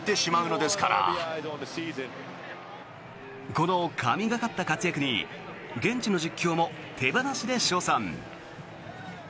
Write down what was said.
この神がかった活躍に現地の実況も手放しで称賛。